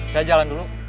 saya jalan dulu